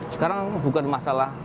sekarang bukan masalah